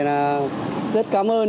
rất cảm ơn